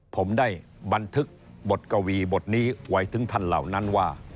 ผมได้บันทึกบทกวีบทนี้ไว้ถึงท่านเหล่านั้นว่า